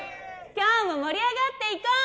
今日も盛り上がっていこう！